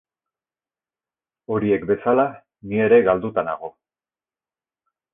Horiek bezala, ni ere galduta nago.